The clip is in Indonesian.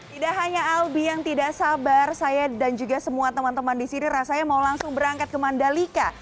tidak hanya albi yang tidak sabar saya dan juga semua teman teman di sini rasanya mau langsung berangkat ke mandalika